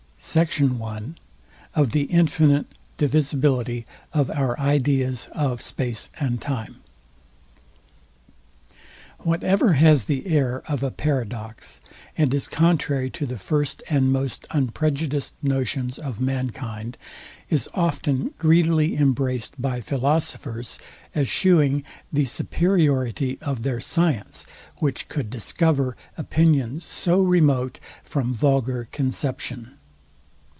SECT. I. OF THE INFINITE DIVISIBILITY OF OUR IDEAS OF SPACE AND TIME. Whatever has the air of a paradox, and is contrary to the first and most unprejudiced notions of mankind, is often greedily embraced by philosophers, as shewing the superiority of their science, which could discover opinions so remote from vulgar conception.